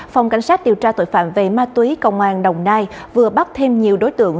phòng cảnh sát điều tra tội phạm về ma túy công an đồng nai vừa bắt thêm nhiều đối tượng